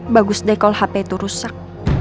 bagus deh kalau hp itu rusak